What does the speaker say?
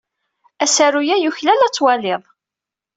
Asaru-a yuklal ad t-twaliḍ.